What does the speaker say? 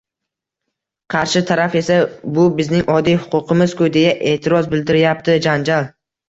Qarshi taraf esa «bu bizning oddiy huquqimiz-ku» deya e’tiroz bildirayapti. Janjal!